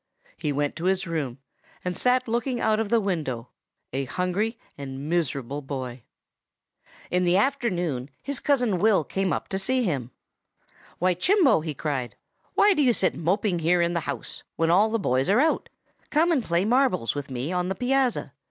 He went to his room, and sat looking out of the window, a hungry and miserable boy. "In the afternoon his cousin Will came up to see him. 'Why, Chimbo!' he cried. 'Why do you sit moping here in the house, when all the boys are out? Come and play marbles with me on the piazza.